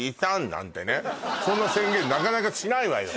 そんな宣言なかなかしないわよ